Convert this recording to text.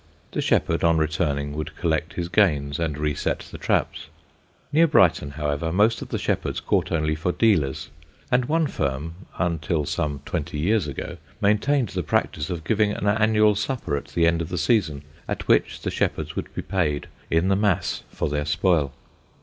The shepherd on returning would collect his gains and reset the traps. Near Brighton, however, most of the shepherds caught only for dealers; and one firm, until some twenty years ago, maintained the practice of giving an annual supper at the end of the season, at which the shepherds would be paid in the mass for their spoil.